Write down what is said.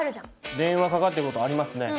電話かかって来ることありますね。